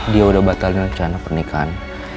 dia udah batalin rencana pernikahan